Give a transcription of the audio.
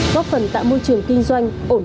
góp phần tạo môi trường kinh doanh ổn định và lành mạnh